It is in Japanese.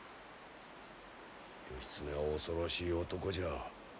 義経は恐ろしい男じゃ。